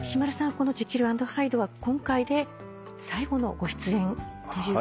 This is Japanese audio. この『ジキル＆ハイド』は今回で最後のご出演と。